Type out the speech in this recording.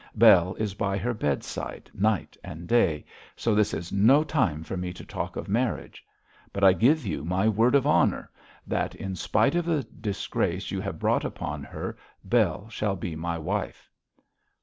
Bell is by her bedside night and day, so this is no time for me to talk of marriage. But I give you my word of honour, that in spite of the disgrace you have brought upon her, Bell shall be my wife.'